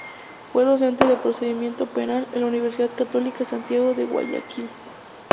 Fue docente de Procedimiento Penal en la Universidad Católica Santiago de Guayaquil.